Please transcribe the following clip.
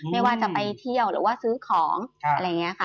ไม่ว่าจะไปเที่ยวหรือว่าซื้อของอะไรอย่างนี้ค่ะ